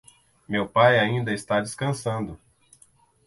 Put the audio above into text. Meu pai ainda está descansando.